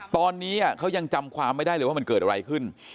ตอนนี้เขายังจำความไม่ได้เลยว่ามันเกิดอะไรขึ้น